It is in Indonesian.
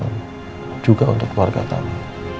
dan juga untuk keluarga kamu